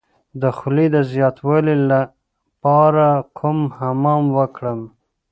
د خولې د زیاتوالي لپاره کوم حمام وکړم؟